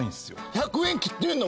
１００円切ってんの？